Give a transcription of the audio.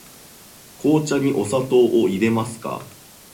紅茶にお砂糖をいれますか。